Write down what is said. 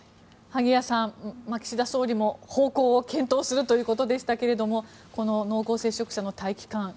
萩谷さん、岸田総理も方向を検討するということでしたがこの濃厚接触者の待機期間